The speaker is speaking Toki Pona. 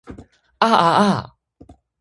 a a a!